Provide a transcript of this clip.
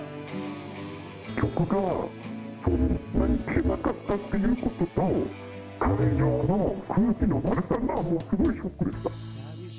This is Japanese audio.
曲がそんなに聴けなかったっていうことと、会場の空気の悪さが、もうすごいショックでした。